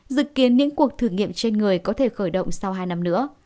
dự kiến những cuộc thử nghiệm trên người có thể khởi động sau hai năm nữa